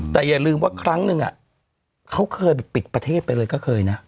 แต่อย่าลืมว่าครั้งนึงเขาเคยปิดประเทศไปเลยก็เคยนะ